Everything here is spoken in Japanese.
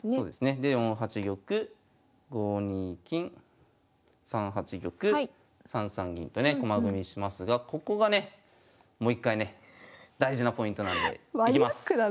で４八玉５二金３八玉３三銀とね駒組みしますがここがねもう一回ね大事なポイントなんでいきます！